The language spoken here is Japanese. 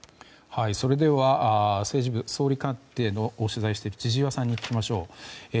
それでは、政治部の総理官邸を取材している千々岩さんに聞きます。